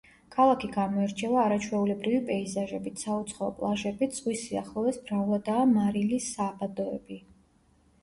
ქალაქი გამოირჩევა არაჩვეულებრივი პეიზაჟებით, საუცხოო პლაჟებით, ზღვის სიახლოვეს, მრავლადაა მარილის საბადოები.